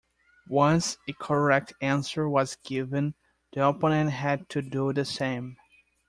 Once a correct answer was given, the opponent had to do the same.